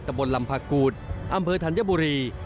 บนลำพากูธอำเภอธัญบุรี